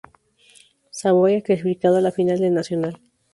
Savoia clasificado a la Final Nacional.